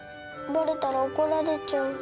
バレたら怒られちゃう。